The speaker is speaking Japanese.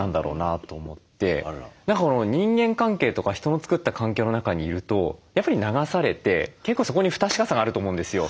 何か人間関係とか人の作った環境の中にいるとやっぱり流されて結構そこに不確かさがあると思うんですよ。